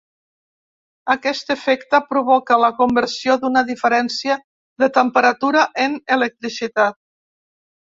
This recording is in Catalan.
Aquest efecte provoca la conversió d'una diferència de temperatura en electricitat.